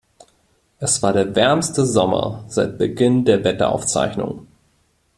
Es war der wärmste Sommer seit Beginn der Wetteraufzeichnungen.